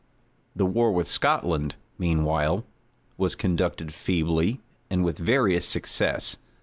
The war with Scotland, meanwhile, was conducted feebly and with various success.